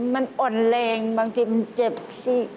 มันอ่อนแรงบางทีมันเจ็บสิ